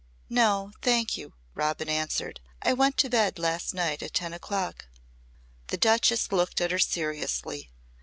"No. Thank you," Robin answered. "I went to bed last night at ten o'clock." The Duchess looked at her seriously.